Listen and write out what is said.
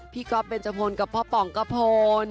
พี่ก๊อฟเบนเจ้าพลกับพ่อปองกฟล